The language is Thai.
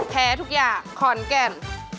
แพ้ทุกอย่างขอนแก่น